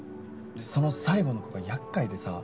でその最後の子が厄介でさ。